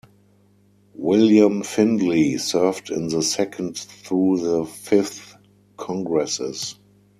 William Findley served in the Second through the Fifth congresses.